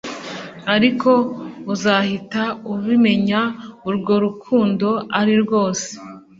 Ariko uzahita ubimenya urwo rukundo ari rwose